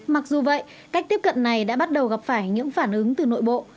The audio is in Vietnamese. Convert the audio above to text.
mặc dù vậy cách tiếp cận này đã bắt đầu gặp phải những phản ứng từ nội bộ